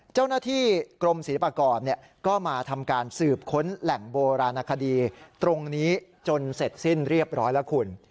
เจ้าหน้าที่กรมศิลปากรก็มาทำการสืบค้นแหล่งโบราณคดีตรงนี้จนเสร็จสิ้นเรียบร้อยแล้วคุณ